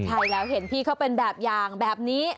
ใช่แล้วเห็นพี่เขาเป็นแบบอย่างแบบนี้